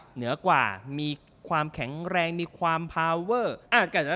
เหนือกว่ามีความแข็งแรงมีความพาวเวอร์